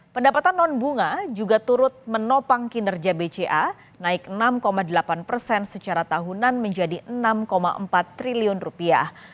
pendapatan non bunga juga turut menopang kinerja bca naik enam delapan persen secara tahunan menjadi enam empat triliun rupiah